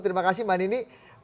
terima kasih manini